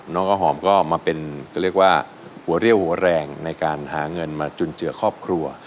น้องข้าวหอมก็มาเป็นจะเรียกว่าหัวเรี่ยวหัวแรงในการหาเงินมาจุนเจือครอบครัว